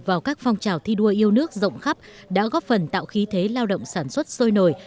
vào các phong trào thi đua yêu nước rộng khắp đã góp phần tạo khí thế lao động sản xuất sôi nổi